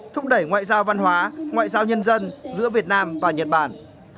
thúc đẩy ngoại giao văn hóa ngoại giao nhân dân giữa việt nam và nhật bản